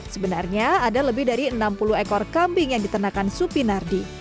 sebenarnya ada lebih dari enam puluh ekor kambing yang diternakan supi nardi